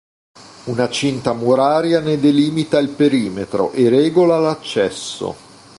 Una cinta muraria ne delimita il perimetro e regola l'accesso.